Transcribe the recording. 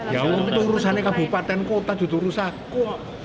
ya untuk urusan kabupaten kota itu urusanku